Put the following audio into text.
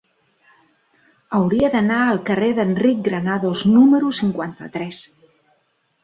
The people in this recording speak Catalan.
Hauria d'anar al carrer d'Enric Granados número cinquanta-tres.